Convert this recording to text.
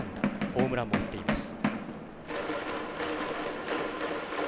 ホームランも打っています。